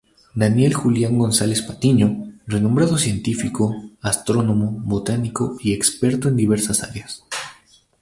Daniel Julián González Patiño, renombrado científico, astrónomo, botánico y experto en diversas áreas.